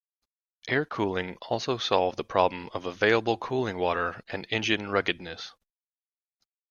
Air cooling also solved the problem of available cooling water and engine ruggedness.